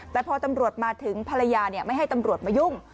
แต่พอตำรวจมาถึงภรรยาไม่ให้ตำรวจมายุ่ง